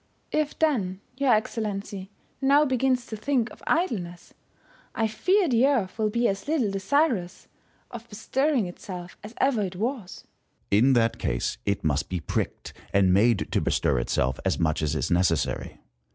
If, then, your Excellency now begins to think of idleness, I fear the Earth will be as little desirous of bestirring itself as ever it was. Stcn. In that case, it must be pricked, and made to bestir itself as much as is necessary.